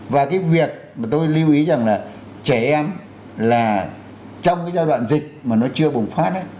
và cái việc mà tôi lưu ý rằng là trẻ em là trong cái giai đoạn dịch mà nó chưa bùng phát